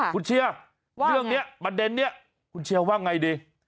คุณเชียร์เรื่องนี้ประเด็นนี้คุณเชียร์ว่าไงดี